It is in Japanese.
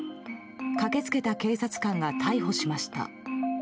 駆けつけた警察官が逮捕しました。